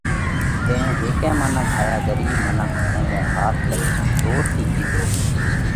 تئيون هيڪئہ منک هائيا ڳرِيٻ منک ۿومو هاٿ ڪرينَ زور ٿِي ڪِيڌو: